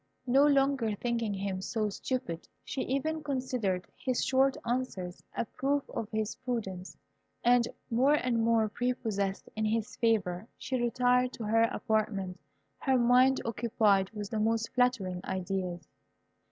No longer thinking him so stupid, she even considered his short answers a proof of his prudence, and, more and more prepossessed in his favour, she retired to her apartment, her mind occupied with the most flattering ideas.